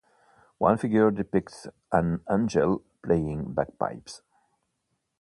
One figure depicts an angel playing bagpipes.